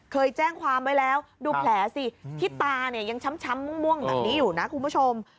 เคยแจ้งความไว้แล้วดูแผลสิที่ตาเนี่ยยังช้ำม่วงแบบนี้อยู่นะคุณผู้ชม